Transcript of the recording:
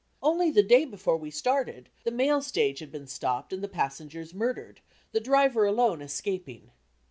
Only the day before we started, the mail stage had been stopped and the passengers murdered, the driver alone escaping.